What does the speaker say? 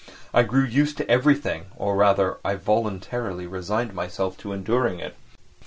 I grew used to everything, or rather I voluntarily resigned myself to enduring it.